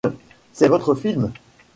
C'est votre film.